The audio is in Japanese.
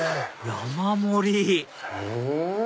山盛り！